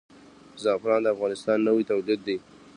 زعفران د افغانستان نوی تولید دی.